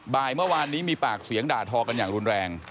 บ่ายเมื่อวานนี้มีปากเสียงด่าทอกันอย่างรุนแรง